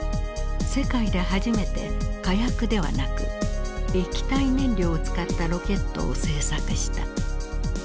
世界で初めて火薬ではなく液体燃料を使ったロケットを製作した。